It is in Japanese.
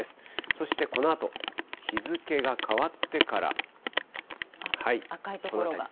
そしてこのあと、日付が変わって赤い所が。